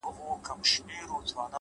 د عمل نیت د پایلې کیفیت ټاکي؛